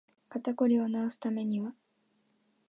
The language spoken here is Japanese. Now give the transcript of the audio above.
肩こりを治すためには